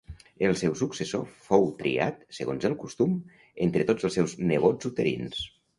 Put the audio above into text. El seu successor fou triat, segons el costum, entre tots els seus nebots uterins.